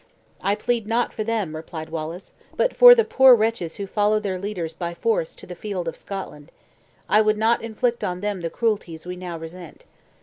"I plead not for them," replied Wallace, "but for the poor wretches who follow their leaders, by force, to the field of Scotland; I would not inflict on them the cruelties we now resent.